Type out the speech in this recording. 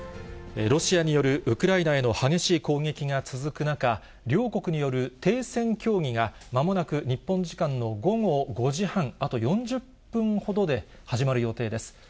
ロシアによるウクライナへの激しい攻撃が続く中、両国による停戦協議が、まもなく日本時間の午後５時半、あと４０分ほどで始まる予定です。